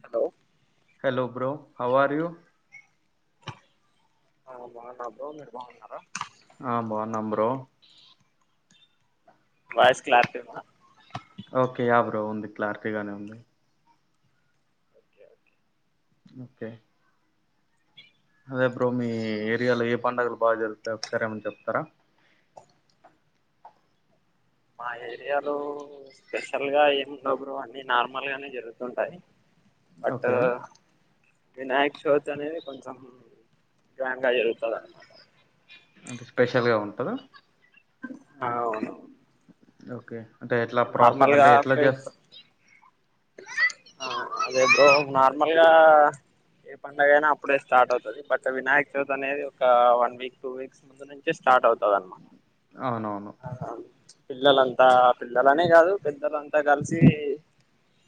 Hello hello bro how are you ఆ బాగున్నా bro మీరు బాగున్నారా హా బాన్నాం బ్రో వాయిస్ క్లారిటీ ఉందా ఓకే యా బ్రో ఉంది క్లారిటీ గానే ఉంది ఓకే ఓకే. ఓకే అదే బ్రో మీ ఏరియాలో ఏ పండుగలు బాగా జరుగుతాయి ఒకసారి ఏమనా చెప్తరా. ఆ ఏరియాలో స్పెషల్ గా ఏమిండవ్ బ్రో అన్నీ నార్మల్ గానే జరుగుతుంటాయి అట్టు ఓకే వినాయక్ చవితి అనేది కొంచెం గ్రాండ్ గా జరుగుతది అన్నమాట అంటే స్పెషల్ గా ఉంటదా హా అవును అవున్ ఓకే అంటే ఎట్లా ప్రాసెస్ అంటే గా ఎట్లా ఫెస్ చేస్తార్ ఆ అదే బ్రో నార్మల్ గా ఏ పండగ అయినా అప్పుడే స్టార్ట్ అవుతుది, బట్ వినాయక చవితి అనేది ఒక వన్ వీక్ టూ వీక్స్ ముందు నుంచే స్టార్ట్ అవు అవును అవును పిల్లలంతా పిల్లలనే కాదు పెద్దలంతా కలిసి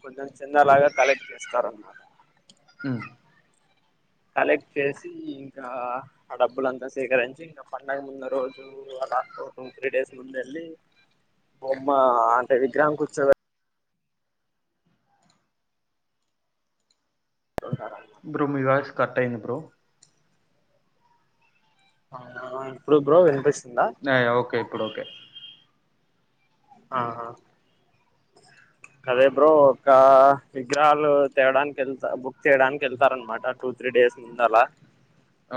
కొంచెం చిన్న లాగా తలెకి చేస్తారు అన్నమాట మ్మ్ కలెక్ట్ చేసి ఇంకా ఆ డబ్బులంతా సేకరించి ఇంకా పండగ ముందు రోజు అలా టూ త్రీ డేస్ ముందు వెళ్ళి బొమ్మ అంటే విగ్రహం కూర్చొ బ్రో మీ వాయిస్ కట్ అయింది బ్రో అవునా ఇప్పుడు బ్రో ఇనిపిస్ యా ఓకే ఇప్పుడు ఓకే అదే బ్రో ఒక విగ్రహాలు తేవడానికి వెళ్తా బుక్ చేయడానికి వెళ్తారు అనమాట టూ త్రీ డేస్ ముందు అలా,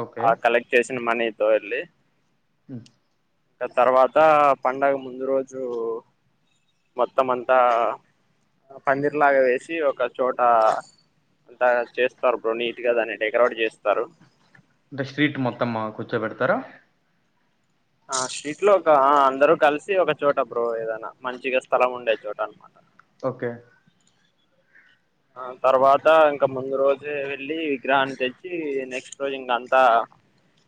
ఓకే ఆ కలెక్ట్ చేసి చ్చిన మనీతో వెళ్ళి ఉహ్ ఇంగ తర్వాత పడుగ ముందు రోజు మొత్తం అంతా పందిర్ లాగా వేసి ఒక చోట అంతా చేస్తారు బ్రో నీట్గా దాన్ని డెకరేట్ చేస్తారు. అంటే స్ట్రీట్ మొత్తమ్ కూర్చోబెడతారా ఆ షీట్ లో ఒక అందరూ కలిసి ఒక చోట బ్రో ఏదనా మంచిగా స్థలం ఉండే చోట అనమాట. ఓకే ఆ తర్వాత ఇంకా ముందు రోజే వెళ్ళి విగ్రహాన్ని తెచ్చి నెక్స్ట్ రోజు ఇంక అంతా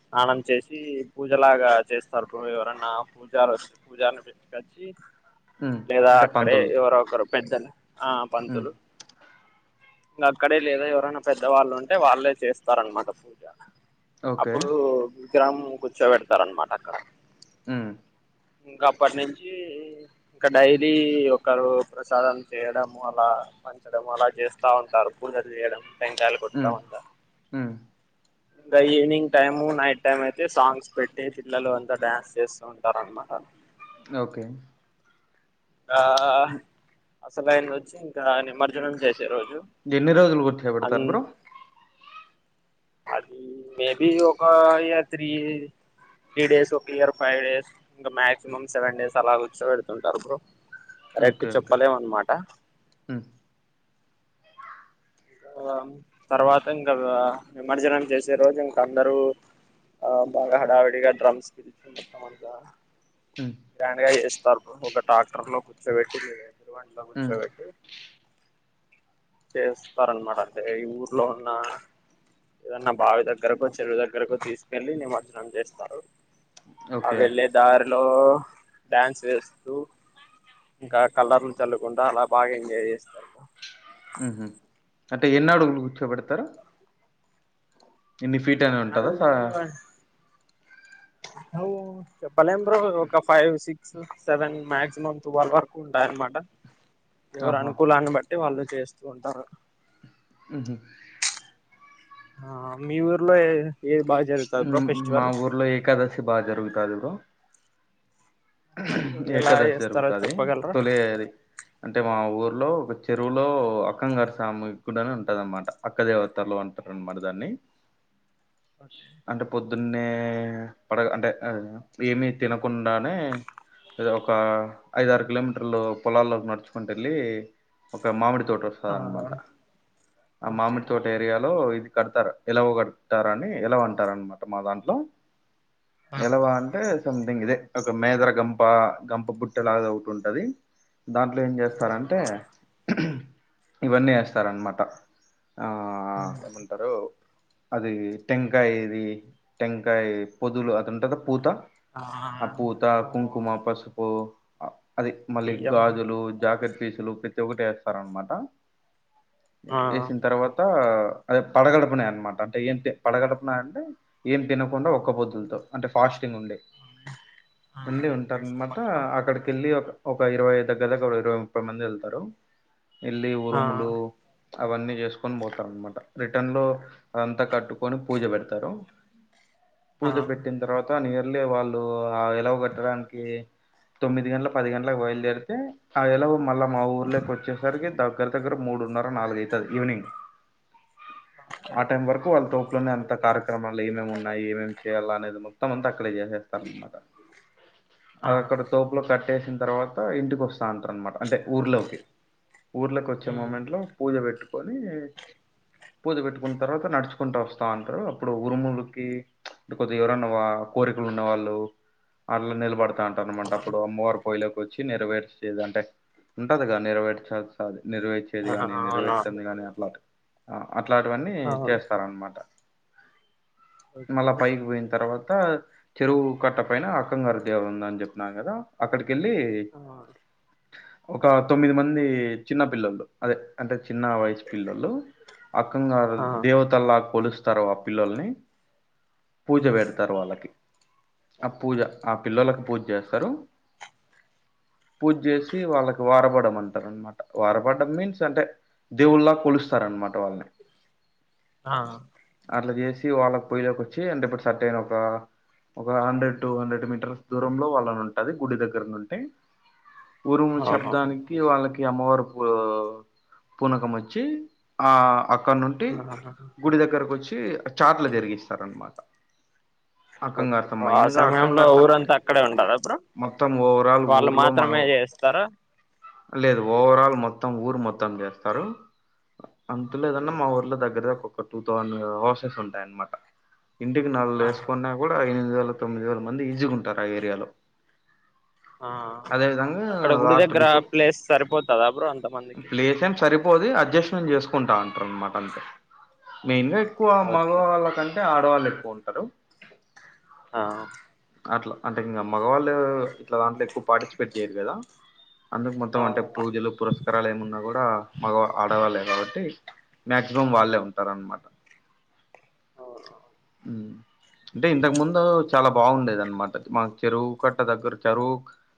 స్నానం చేసి పూజలాగా చేస్తారు బ్రో ఎవరన్నా పూజ వస్ పూజారిని పిల్చుకొచ్చి. ఉమ్. లేదా అంటే అక్కడే పంతులు ఎవరో ఒకరు పెద్దల్ ఆ ఉమ్. పంతులు ఇంక అక్కడే లేదా ఎవరైనా పెద్దవాళ్ళు ఉంటే వాళ్ళే చేస్తారనమాట పూజ ఓకే అప్పుడు గ్రామ్ కూర్చోబెడతారు అనమాట అక్కడ ఆ ఇంకా అప్పటి నుంచి ఇంకా డైలీ ఒకరు ప్రసాదం చేయడం అలా పంచ ం అలా చేస్తా ఉంటారు పూజలు చేయడం టెకాయాల ఉమ్. కొట్టడం అట్లా ఉమ్. ఇంకా ఈవినింగ్ టైము నైట్ టైం అయితే సాంగ్స్ పెట్టి పిల్లలు అంతా డ్యాన్స్ చేస్తూ ఉంటారు అనమాట ఓకే ఆ అసలుైనది వచ్చి ఇంకా నిమజ్జనం చేసే రోజు ఎన్ని రోజులు కూర్చో అన్ పెడతారు బ్రో అది మేబి ఒక ఇయర్ త్రీ త్రీ డేస్ ఒక ఇయర్ ఫైవ్ డేస్ ఇంకా మాక్సిమం సెవెన్ డేస్ అలా కూర్చో పెడుతుంటారు బ్రో కరెక్ట్ ఓకే ఓకే చెప్పలేమన్నమాట ఉమ్, ఇంకా తర్వాత ఇంకా విమజ్జనం చేసే రోజు ఇంక అందరుూ ఆ బాగా హడావిడిగా డ్రమ్స్ పిలిచి మొత్తం అంతా ఉమ్, గ్రాండ్ గా చెస్ తర్ ఒక ట్రాక్టర్ లో కూర్చోబెట్టి [unintelligible] ఉమ్, కూర్చోబట్టి చెస్ తారన్నమాట అంటే ఈ ఊర్లో ఉన్న ఏదన్నా బావి దగ్గరకో చెరువు దగ్గరకో తీసుకెళ్ళి నిమజ్జనం చేస్తారు ఆ ఓకే వెళ్ళే దారి లో డ్యాన్స్ వేస్తూ ఇంకా కలర్లు చల్లకుంటా అలా బాగా ఎంజాయ్ చేస్తరూ ఉహ అంటే ఎన్ని అడుగులు కూర్చోబెడతారు ఇన్ని ఫీట్ అని ఉంటందా అ చెప్ప పాలెం బ్రో ఒక five six seven maximum twelve వరకు ఉంటాయి అన్నమాట ఎవరు ఆహా అనుకూలాన్ని బట్ అే వాళ్ళు చేస్తూ ఉంటారు అ ఆ మీ ఊర్లో ఏది బాగా జరుగుతది బ్రో మా ఫెస్టివల్ ఊర్లో ఏకాదశి బాగా జరుగుతాది బ్రో ఎలా ఏకాదశ చేస్తారో జరుగుతాది చెప్పగలరా తొలి అంటే మా ఊరు లో ఒక చెరువులో అక్కంగారు స్వామి కూడా ఉంటద అనమాట అక్క దేవతలో ఉంటారు అనమాట దాన్ని ఓకే ద్దున్నే పడ అంటే ఏమి తినకుండానే ద ఒక ఐద ఆరు కిలోమీటర్లు పొలాల్లోకి నడుచుకుంటెల్లి ఒక మామిడి తోట వస్తది ఆ అనమాట ఆ ఓకే మామిడి తోట ఏరియాలో ఇది కడతారు ఎలవు కడతారని ఎలవు అంటారనమాట మా దాంట్లో ఆ ఎలవ అంటే సమంతింగ్ ఇదే ఒక మేదర్ గంప గంప బుట్ట లాగా ఒకటి ఉంటది దాంట్లో ఏం చేస్తారంటే అవునా ఇవన్నీ ఏస్తరన్నమాట ఆ ఏమంటారు అదీ టెంకాయది టెంకాయ్ పొదులు అది ఉంటది పూత ఆ ఆపూత కుం అవును కుమ పసుపు ఆ అది మళ్ళీ బియ్యం గాజులు జాకెట్ ఫీసులు ప్రతి ఒక్కటి ఏస్తారనమాట ఆ వేసిన తర్వాతా అదే పడగడుపునే అనమాట అంటే ఏం తి పడగడుపునా అంటే ఏం తినకుండా ఒక్క పొద్దులతో అంటే ఫాస్టింగ్ ఉండి అ రనమాట అక్కడికెళ్ళి ఒక ఒక ఇరవై దగ్గర దగ్గర ఒక ఇరవై ముప్పై మంది ఎళ్తారు ఎల్లి ఆ ఉరుములు అవన్నీ చేసుకొని పోతారన్నమాట రిటర్న్ లో అదంతా కట్టుకు కొని పూజ పెడతారు ఆ పూజ పెట్టిన తర్వాత నీర్ వెళ్ళే వాళ్ళు ఆ వ్ కట్టడానికి తొమ్మిది గంటల పది గంటలకు బయలుదేరితే ఆ ఎలవు మళ్ళీ మా ఊర్లోకి వచ్చేసరికి దగ్గర దగ్గర మూడున్నర నాలుగై ఈవినింగ్ ఆ టైం వరకు వాళ్ళ తోపులోనే అంత కార్యక్రమాలు ఏమేమి ఉన్నాయ్ ఏమేమి చేయాల అనేది ము త మంత క్కడే చేసేస్తామనమాట ఆ అది అక్కడ తోపులో క కట్టేసిన తర్వాత ఇంటికొస్తాంటరనమాట అంటే ఊర్లోకి ఊర్లకొచ్చే ఉమ్ మూమెంట్లో పూజ పెట్టుకొనీ పూజ పెట్టుకున్న తర్వాత నడుచుకుంటా వస్తాంటారు అప్పుడు ఉరుములకి ప్చ్ కొద్ది ఎవరన్నా కోరికలు ఉన్న వాళ్ళు అట్ల నిల్ పడతా అంటారనమాట అప్పుడూ అమ్మవారు పోయెలె వచ్చి నెరవేర్చేది అంటే ఉంటదిగా నెరవేర్చాల్సాది నెర్వేర్చేది ఆ గాని అవునా నివేర్తంది కాని అట్లా ఆ అట్లాటివన్నీ అవును చేస్తారన్నమాట ఓకే మల్ల పైకి పోయిన తర్వాత్ చెరువు కట్ట పైన అక్కంగారు ఉందని చెప్పినా కదా అక్కడిక్ కెల్లి ఆ ఒక తొమ్మిది మంది చిన్నపిల్లలు అదే అంటే చిన్న వయస్సు పిల్లలు అక్కంగారు ఆ దేవతలా కొలుస్ తారు ఆ పిల్లలని పూజ పెడతారు వాళ్ళకి అ పూజ ఆ పిల్లలకు పూజ చేస్తారు పూజ చేసి వాళ్ళకి వారపడం మంటారనమాట వారపడం మీన్స్ అంటే దేవుళ్ళా కొలుస్తారనమాట వాళ్ళని ఆ అట్లా చేసి వాళ్ళకి పొయ్యలోకి వచ్చి అంటే సర్టెన్ ఒక హండ్రెడ్ టుహండ్రెడ్ మి టర్ దూరంలో వాళ్ళని ఉంటది గుడి దగ్గర నుంటే ఉరుము అవునవును శబ్దానికి వాళ్ళక్ కి అమ్మవారు పు పునకం వచ్చి అక్కడ నుంటి ఆహా గుడి దగ్గరకొచ్చి ఆ చాట్ల జెరిగిస్తారన్నమాట ఓకే ఆ సమయంలో అంటే ఊరంతా అక్కడే ఉంటరా అప్పుడు మొత్తం ఓవరాల్ వాళ్ళు ఊర్లో మాత్రమే మనం చేస్తారా లేదు ఓవరాల్ మొత్తం ఊరు మొత్తం చేస్తారు అంతు ఓకే లేదన్నా మా ఊర్లో దగ్గర దగ్గర ఒక్ టూథౌసండ్ హౌసెస్ ఉంటాయి అన్నమాట ఇంటికి నలుగురు ఆ వేసుకున్నా కూడా ఎనిది వేలు తొమ్మిది వేల మంది ఈసీగుంటారు ఆ ఏరియాలో ఆ అదే విధంగా అక్కడ గుడి లాస్ట్ దగ్గర బిఫోర్ ప్లేస్ సరిపోతదా బ్రో అంతమందికి ప్లేస్ ఏం సరిపోది అడ్జస్ట్మెంట్ చేసు కుంటా ఉంటారు అనమాట అంతే మెయిన్ గా ఎక్కువ మగ ఓకే వాళ్ళ కంటే అంటే ఆడవాళ్ళు ఎక్కువ ఉంటారు ఆ అట్లా అంటే ఇంకా మగవాళ్ళు ఇట్లా దాంట్లో ఎక్కువ పార్టిసిపేట్ చెయ్యరు కదా అందుకు మొత్తం అంటే అవును ఆ పూజలు పురస్కారాలు ఏమున్నా కూడా మగ ఆడవాళ్ళే కాబట్టి మాక్సిమం వాళ్ళే ఉంటార్ అన్నమాట అంటే ఇంతకు ముందు చాలా బాగుండేది అనమాట అది మాకు చెరువు కట్ట దగ్గర చెరువు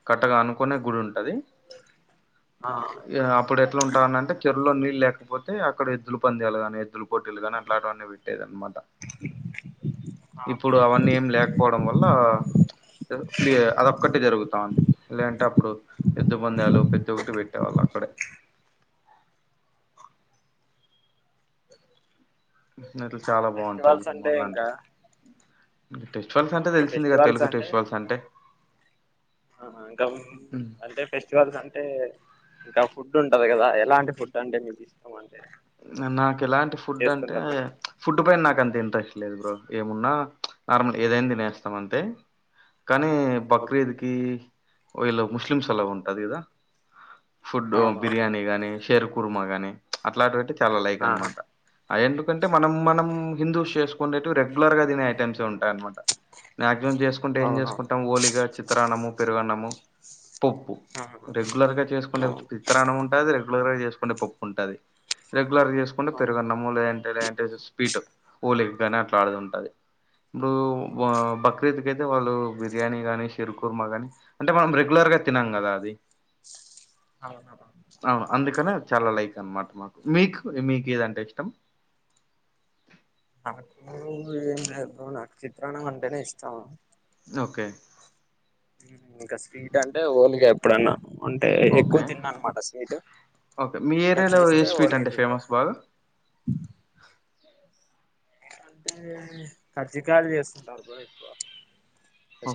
కట్టగా అనుకునే గుడి ఉ ఆ! అప్పుడు ఎట్లా ఉంటాంటే చెరలో నీ లేకపోతే అక్కడ ఎద్దులు పంద్యాలు కాని ఎద్దులు కోట్లు కాని అట్లాంటివన్నీ పెట్టేదని అమాట ఇప్పుడు ఓకే అవన్నీ ఏం లేక వల్ ప్ అదొక్కటిే జరుగుతాం లేంటే అప్పుడు పెద్ద్దబందాలు పెతి ఒకక్కటి పెట్టి ా అక్కడ ఇట్లా ంకా చాలా బాగుంటది ఫెస్టివల్స్ మా అంటే ఇంకా దాంట్లో. ఫెస్టివల్స్ అంటే ఇంకా తెలిసిందిగా ఫెస్టివల్స్ తెలుగు అంటే ఫెస్టివల్స్ అంటే. ఇంకా హ్మ్. అంటే ఫెస్టివల్స్ అంటే ఇంకా ఫుడ్ ఉంటంది కదా ఎలాంటి ఫుడ్ అంటే మీకు ఇష్టం అంటే నాకు ఎలాంటి ఫుడ్ అంటే చేస్తుంటారు కదా ఫుడ్ ఇడు పైన నాకు అంత ఇంట్రెస్ట్ లేదు బ్రో ఏమున్నా నార్మల్ ఏదైనా తినేస్తాం అంతే కానీ ఓకే బక్రీద్కిి ఓ ఇలా ముస్లిమ్స్ ఎలా ఉంటది ఇదా ఫుడ్ అవునవును బిర్యానీ గాని షేర్కు కురు మగానే అ ఫ్లాట్టి చాలా లైక్ ఆ అనమాట అయంట అంటే మనం మనం హిందూస్ చేసుకు ేటు రెగ్యులర్గాిన ఐటమ్స్ ఉంటాయ అన్నమాట నా ం చేసుకుంటే ఏం అవునవును చేసుకుంటాం ఓలిగా చిత్రానము పెరుగన్నము పప్పు ఆ, అవును రెగ్యులర్ గా చేసుకుంటే పిత్తానం ఉంటుది ర [inaudible] చేసుకుంటే పప్పు ఉంటుది రె రెగులర్గా చేసుకుంటే అవును పెరుగనమ్ము లేదం లేలేంటే స్పీట్ ఓలికి కానీ అట్లాడిది ఉంటాది ఇప్పుడు బక్రీద్కి అయితే వాళ్ళు బిర్యానీ గాని సిరు కుర్మ కానీ అంటే మనం రెగ్యులర్గా తినం కదా అది అ అవును అందుకనే చాలా లైక్ అనమాట మాకు మీకు మీకేదంటే ఇష్టం ఉమ్ ఏంలేద్ బ్రో నాకు చిత్రాణమంటేనే ఇష్టం ఓకే ఇంకా స్వీట్ అంటే ఓలిగా ఎప్పుడన్నా ఉంటే ఎక్కువ ఓకే తిన్ననమాట స్వీట్ ఓకే మీ ఇంక ఏరియాలో ఏ చేస్తే స్వీట్ ఓలిగి అంటే తింటా ఫేమస్ బాగా అంటే కజ్జికాయలు చేస్తుంటారు బ్రో ఎక్కువ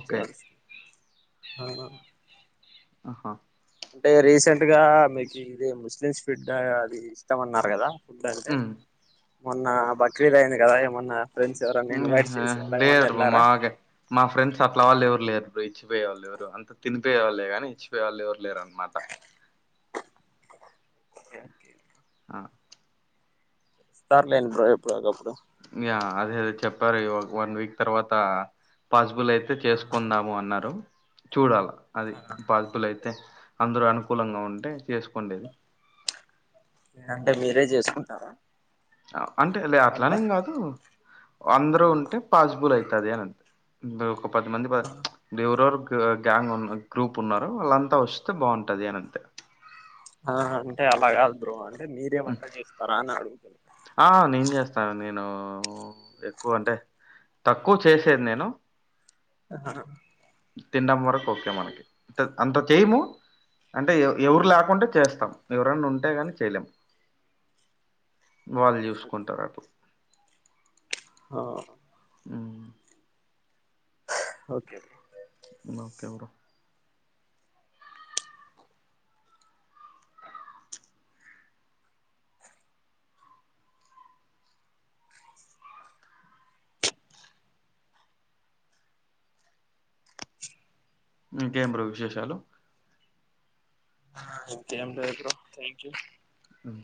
ఓకే ఆ ఆహా అంటే రీసెంట్ గా మీకు ఇది ముస్లిమ్స్ ఫిడ్ గా అది ఇష్టమన్నారు కదా ఫుడ్డంటే ఉమ్. మొన్న బక్రీదయింది కదా ఏమన్న ఉమ్ లేదు బా మాగే మా ఫ్రెండ్స్ అట్లా వాళ్ళు ఎవరు లేరు ఎప్పుడు ఇచ్చిపోయే వాళ్ళు ఎవరు అంతా తినిపోయే వాళ్ళే గాని ఇచ్చిపోయ వాళ్ళు ఎవరు లేరనమాట [inaudible] ఆ ఇస్తార్లేండి బ్రో ఎప్పుడో ఒకప్పు యా అదే అదే చెప్పారు ఈ వన్ వీక్ తర్వాత పాస్ గులయితే చేసుకుందాము అన్నారు చూడాల అది పాద్బులైయితే అందరు అను కులంగా ఉంటే చేసుకోండేది లేంటే మీరే చేసుకుంటారా అవ్ అంటే లే వంట అట్లానేం కాదు ఆ అందరూ ఉంటే పాజిబుల్ ఐతది అనంతే బ్రో పది మంది ప దేవురరు గ్యాంగ్ ఉ గ్రూప్ ఉన్నారు వాళ్ళంతా వస్తే బాగుంటుంది అని అంతే ఆ అంటే అలా కాదు బ్రో అని మీరే మ్ వంట చేస్తారా అడుగుతున్నా ఆ నేను చేస్తా నేను తక్కువ అంటే తక్కువ చేసేది నేను అహ తినడం వరకు ఓకే మనకి అంటే అంత చేయము అంటే ఎవరు ఆ లేకుంటే చేస్తాం ఎవరన్నా ఉంటే కానీ చేయలేము వాళ్ళు ఓకే చూసుకుంటారు అటు వో హ్మ్ ఓకే ఓకే బ్రో ఇంకేం బ్రో విశేషాలు ఆ ఇంకేం లేదు బ్రో థాంక్యూ మ్మ్